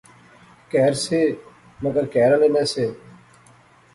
کہھر سے مگر کہھر آلے نہسے